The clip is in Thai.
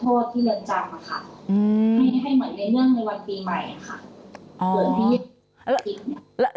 ให้เหมือนเรียนเรื่องในวันปีใหม่